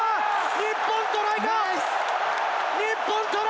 日本トライだ。